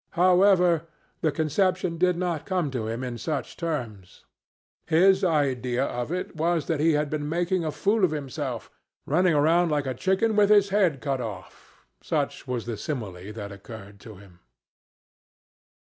However, the conception did not come to him in such terms. His idea of it was that he had been making a fool of himself, running around like a chicken with its head cut off—such was the simile that occurred to him.